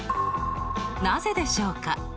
なぜでしょうか？